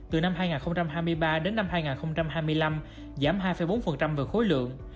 từ năm hai nghìn hai mươi ba đến năm hai nghìn hai mươi năm giảm hai bốn về khối lượng